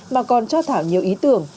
mà còn cho thảo nhiều ý tưởng